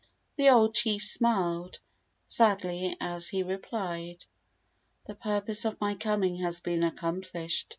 The old chief smiled sadly as he replied: "The purpose of my coming has been accomplished.